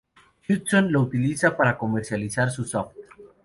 Hudson lo utiliza para comercializar su soft.